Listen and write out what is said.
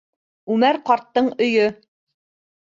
Үмәр ҡарттың өйө.